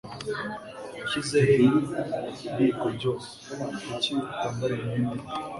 Washyize he ibiyiko byose? Kuki utambara imyenda imwe?